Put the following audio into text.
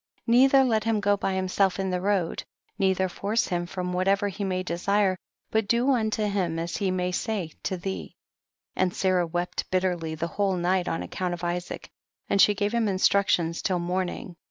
12. Neither let him go by himself in the road, neither force him from whatever he may desire, but do unto him as he may say to thee. 13. And Sarah wept bitterly the whole night on account of Isaac, and she gave him instructions till morn ing.